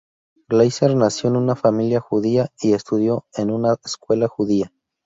Glazer nació en una familia judía, y estudió en una escuela judía.